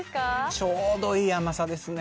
ちょうどいい甘さですね。